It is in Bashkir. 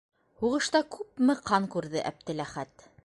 Һуғышта күпме ҡан күрҙе Әптеләхәт.